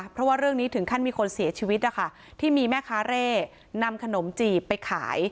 เพราะว่าเรื่องนี้ถึงขั้นมีคนเสียชีวิตนะคะที่มีแม่ค้าเร่นำขนมจีบไปขาย